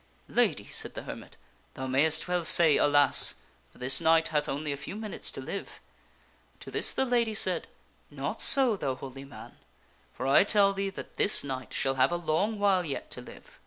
" Lady," said the hermit, " thou mayst well say ' Alas/ for this knight hath only a few minutes to live." To this the lady said, " Not so, thou holy man, for I tell thee that this knight shall have a long while yet to live."